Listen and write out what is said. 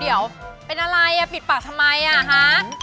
เดี๋ยวเป็นอะไรอ่ะปิดปากทำไมอ่ะคะ